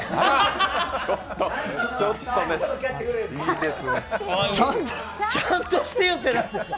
ちょっと、ちょっとねちゃんとしてよってなんですか！